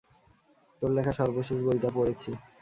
তোর লেখা সর্বশেষ বইটা পড়েছি।